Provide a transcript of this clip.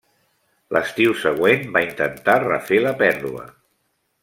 L’estiu següent va intentar refer la pèrdua.